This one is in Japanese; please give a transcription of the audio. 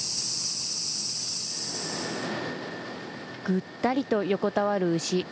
ぐったりと横たわる牛。